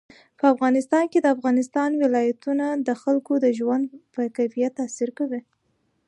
په افغانستان کې د افغانستان ولايتونه د خلکو د ژوند په کیفیت تاثیر کوي.